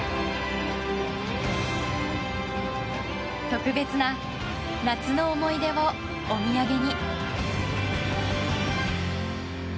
特別な夏の思い出をお土産に。